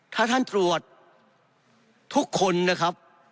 ถ้าท่านตรวจทุกคนนะครับ